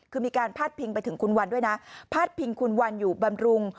คือมีการพาดพิงไปถึงคุณวันด้วยนะพาดพิงคุณวันอยู่บำรุง